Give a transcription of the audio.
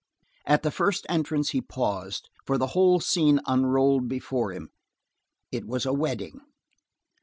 At the first entrance he paused, for the whole scene unrolled before him. It was a wedding.